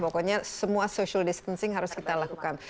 pokoknya semua social distancing harus kita lakukan